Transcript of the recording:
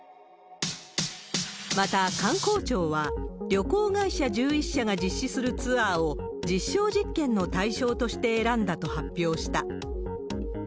また、観光庁は旅行会社１１社が実施するツアーを実証実験の対象として選んだと発表した。